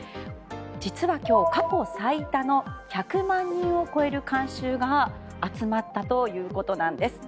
実は今日、過去最多の１００万人を超える観衆が集まったということなんです。